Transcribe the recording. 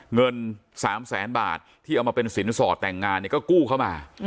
เงิน๓แสนบาทที่เอามาเป็นสินสอดแต่งงานเนี่ยก็กู้เข้ามา